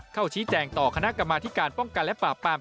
เข้าชี้แจงต่อคณะกรรมาธิการป้องกันและปราบปราม